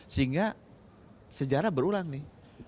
sehingga sejarah berulang nih